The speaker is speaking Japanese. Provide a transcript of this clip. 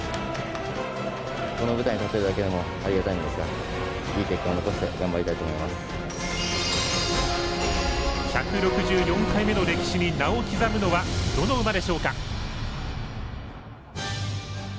この舞台に立てるだけでもありがたいのですが１６４回目の歴史に名を刻むのは、どの馬でしょうか。